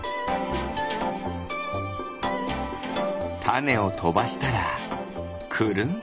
たねをとばしたらくるんくるん。